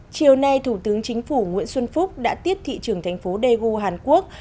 chiều nay thủ tướng chính phủ nguyễn xuân phúc đã tiết thị trường thành phố daegu hàn quốc